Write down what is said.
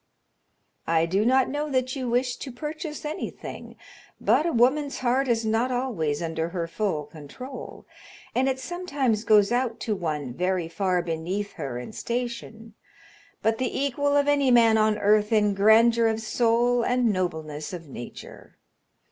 "I do not know that you wish to purchase anything, but a woman's heart is not always under her full control, and it sometimes goes out to one very far beneath her in station, but the equal of any man on earth in grandeur of soul and nobleness of nature.